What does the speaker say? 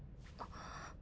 あっ。